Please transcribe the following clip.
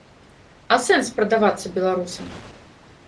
А сэнс прадавацца беларусам?